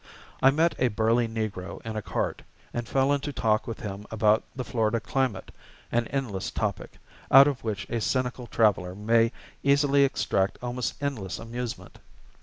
I met a burly negro in a cart, and fell into talk with him about the Florida climate, an endless topic, out of which a cynical traveler may easily extract almost endless amusement.